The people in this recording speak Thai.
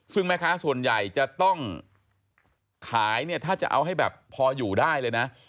ซึ่งแม่ค้าส่วนใหญ่จะต้องขายเนี่ยถ้าจะเอาให้แบบพออยู่ได้เลยนะ